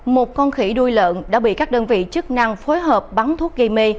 một con khỉ đuôi lợn đã bị các đơn vị chức năng phối hợp bắn thuốc gây mê